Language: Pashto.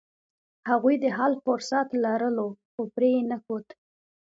هغوی د حل فرصت لرلو، خو پرې یې نښود.